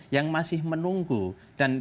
yang masih menunggu dan